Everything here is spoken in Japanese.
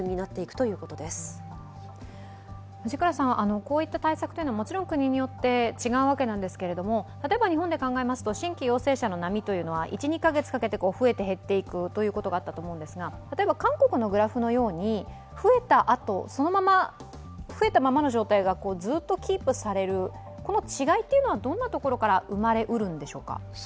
こういった対策というのはもちろん国によって違うわけなんですが、例えば日本で考えますと、新規陽性者の波は１２カ月かけて増えて減っていくということがあったと思うんですが韓国のグラフのように増えたあと、増えたままの状態がずっとキープされるこの違いというのはどんなところが生まれうるんでしょうか？